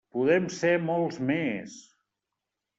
Podem ser molts més!